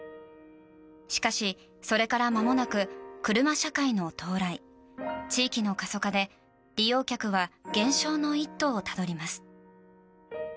しかし、それからまもなく車社会の到来、地域の過疎化で利用客は減少の一途をたどります。